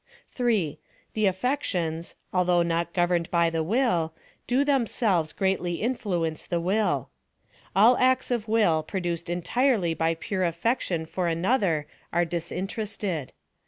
3. The affections, although not governed by the will, do themselves greatly influence the will. All acts of will produced entirely by pure affection foi another are disinterested.